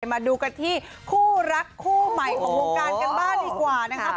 มาดูกันที่คู่รักคู่ใหม่ของวงการกันบ้างดีกว่านะครับ